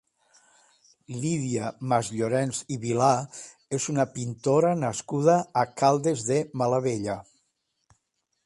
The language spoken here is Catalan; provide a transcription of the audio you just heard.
Lídia Masllorens i Vilà és una pintora nascuda a Caldes de Malavella.